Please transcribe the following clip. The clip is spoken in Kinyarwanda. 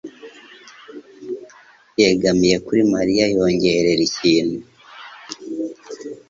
yegamiye kuri Mariya yongorera ikintu.